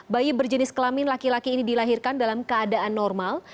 bayi berjenis kelamin laki laki ini dilahirkan dalam keadaan normal